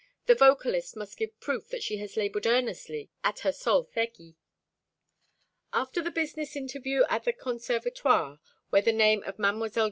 The vocalist must give proof that she has laboured earnestly at her solfeggi. After the business interview at the Conservatoire, where the name of Mdlle.